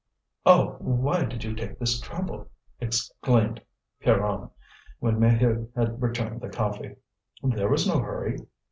"Oh! why did you take this trouble?" exclaimed Pierronne, when Maheude had returned the coffee. "There was no hurry."